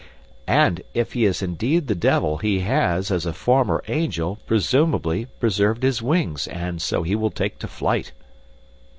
"And if he is indeed the devil, he has, as a former angel, presumably preserved his wings, and so he will take to flight."